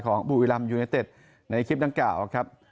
ของบุรีลำยูเนตเต็ดในคลิปนั้นกล่าวนะครับ